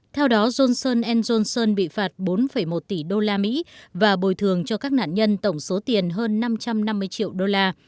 theo đó johnson en johnson bị phạt bốn một tỷ đô la mỹ và bồi thường cho các nạn nhân tổng số tiền hơn năm trăm năm mươi triệu đô la